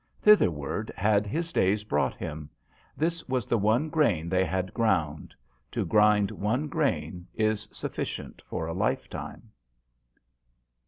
Thither ward had his days brought him. This was the one grain they had ground. To grind one grain is sufficient for a lifetime.